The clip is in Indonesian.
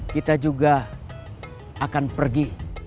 kita juga akan pergi